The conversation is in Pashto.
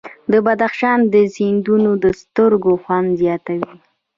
د بدخشان سیندونه د سترګو خوند زیاتوي.